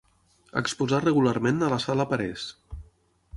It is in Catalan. Exposà regularment a la Sala Parés.